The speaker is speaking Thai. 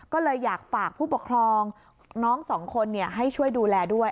ก็เลยอยากฝากผู้ปกครองน้องสองคนให้ช่วยดูแลด้วย